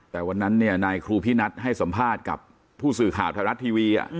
แต่วันนั้นนายครูพินัทให้สัมภาษณ์กับผู้สื่อข่าวไทยรัฐทีวี